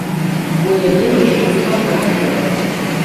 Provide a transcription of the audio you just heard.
Бо яе яшчэ спагнаць трэба!